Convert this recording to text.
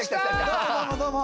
どうもどうもどうも。